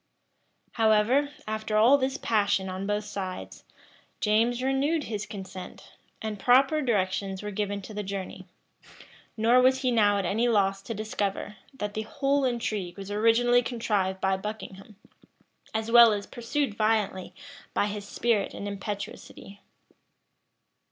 However, after all this passion on both sides, James renewed his consent; and proper directions were given for the journey. Nor was he now at any loss to discover, that the whole intrigue was originally contrived by Buckingham, as well as pursued violently by his spirit and impetuosity.